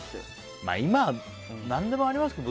今は何でもありますけど。